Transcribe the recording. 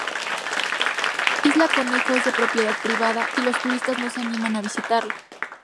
Isla Conejo es de propiedad privada y los turistas no se animan a visitarla.